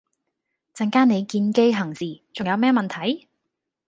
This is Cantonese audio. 陣間你見機行事，重有咩問題？